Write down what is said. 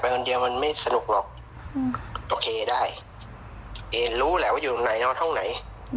คนเดียวมันไม่สนุกหรอกโอเคได้เอนรู้แหละว่าอยู่ตรงไหนนอนห้องไหน